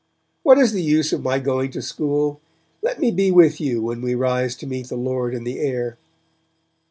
'What is the use of my going to school? Let me be with you when we rise to meet the Lord in the air!'